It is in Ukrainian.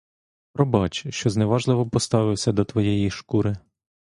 Пробач, що зневажливо поставився до твоєї шкури!